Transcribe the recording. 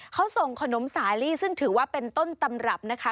เขาส่งขนมสาลีซึ่งถือว่าเป็นต้นตำรับนะคะ